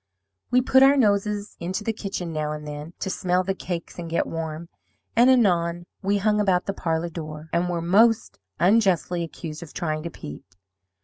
We put our noses into the kitchen now and then, to smell the cakes and get warm, and anon we hung about the parlour door, and were most unjustly accused of trying to peep.